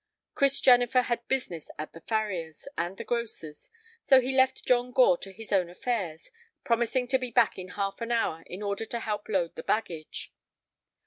Chris Jennifer had business at the farrier's and the grocer's, so he left John Gore to his own affairs, promising to be back in half an hour in order to help load the baggage.